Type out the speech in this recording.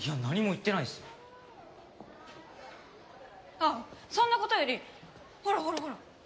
あっそんな事よりほらほらほら！